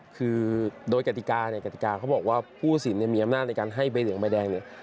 คือโดยกติกาเนี่ยกติกาเขาบอกว่าผู้สินมีอำนาจในการให้ใบเหลืองใบแดงเนี่ย